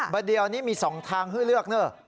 บะเดวนี่มี๒ทางให้เลือก